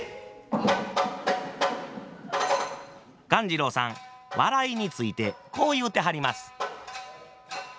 鴈治郎さん笑いについてこう言うてはります。